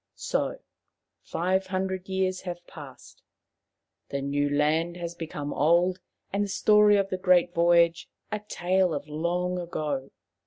So five hundred years have passed. The new land has become old, and the story of the great voyage a tale of long ago.